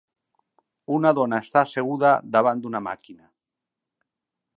Una dona està asseguda davant d'una màquina.